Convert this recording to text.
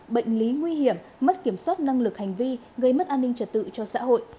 bệnh lý nguy hiểm mất kiểm soát năng lực hành vi gây mất an ninh trật tự cho xã hội